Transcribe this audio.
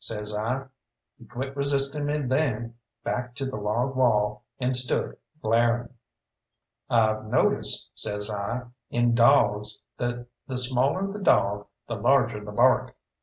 says I. He quit resisting me then, backed to the log wall, and stood glaring. "I've noticed," says I, "in dawgs that the smaller the dawg, the larger the bark.